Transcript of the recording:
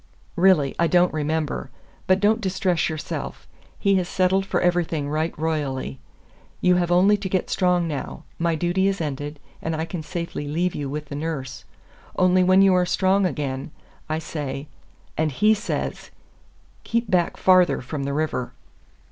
"Really, I don't remember. But don't distress yourself. He has settled for everything right royally. You have only to get strong now. My duty is ended, and I can safely leave you with the nurse. Only when you are strong again, I say and HE says keep back farther from the river."